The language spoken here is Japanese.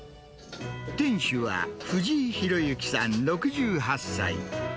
店主は藤井裕之さん６８歳。